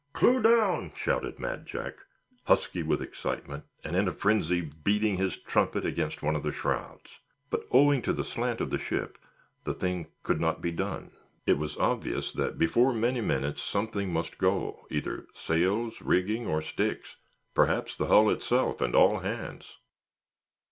clew down!" shouted Mad Jack, husky with excitement, and in a frenzy, beating his trumpet against one of the shrouds. But, owing to the slant of the ship, the thing could not be done. It was obvious that before many minutes something must go—either sails, rigging, or sticks; perhaps the hull itself, and all hands.